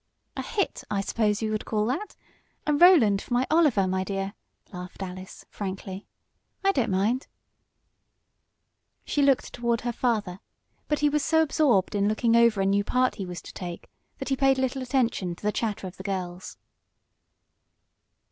"A hit, I suppose you would call that. A Roland for my Oliver, my dear!" laughed Alice, frankly. "I don't mind." She looked toward her father, but he was so absorbed in looking over a new part he was to take, that he paid little attention to the chatter of the girls.